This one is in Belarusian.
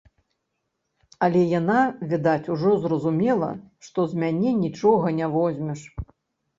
Але яна, відаць, ужо зразумела, што з мяне нічога не возьмеш.